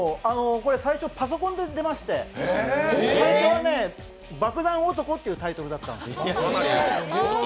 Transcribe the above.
最初、パソコンで出まして、最初は「爆弾男」というタイトルだったんです。